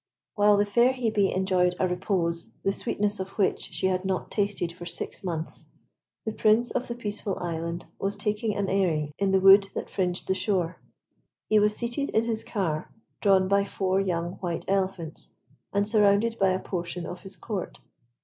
While the fair Hebe enjoyed a repose, the sweetness of which she had not tasted for six months, the Prince of the Peaceful Island was taking an airing in the wood that fringed the shore. He was seated in his car, drawn by four young white elephants, and surrounded by a portion of his Court.